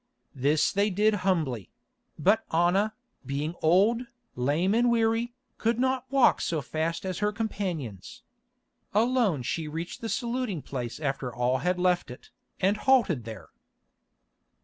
This they did humbly; but Anna, being old, lame and weary, could not walk so fast as her companions. Alone she reached the saluting place after all had left it, and halted there.